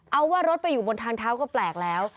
เอาว่ารถไปอยู่บนทางเท้าก็แปลกแล้ว